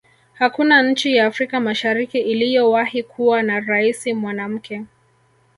hakuna nchi ya afrika mashariki iliyowahi kuwa na raisi mwanamke